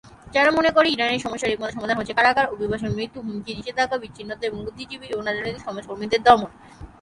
যারা মনে করে ইরানের সমস্যার একমাত্র সমাধান হচ্ছে; কারাগার, অভিবাসন, মৃত্যু, হুমকি, নিষেধাজ্ঞা, বিচ্ছিন্নতা এবং বুদ্ধিজীবী এবং রাজনৈতিক-সমাজকর্মীদের দমন।